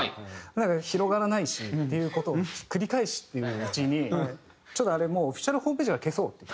なんか広がらないしっていう事を繰り返しているうちにちょっとあれもうオフィシャルホームページから消そうって。